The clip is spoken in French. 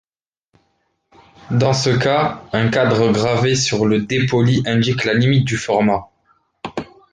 Dans ce cas, un cadre gravé sur le dépoli indique la limite du format.